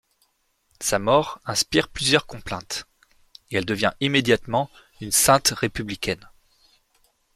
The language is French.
Sa mort inspire plusieurs complaintes, et elle devient immédiatement une sainte républicaine.